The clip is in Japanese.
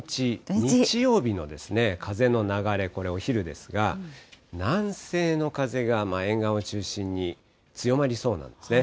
日曜日の風の流れ、これ、お昼ですが、南西の風が沿岸を中心に強まりそうなんですね。